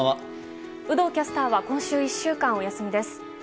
有働キャスターは今週１週間、お休みです。